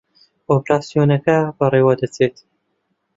ئۆپراسیۆنەکە بەڕێوە دەچێت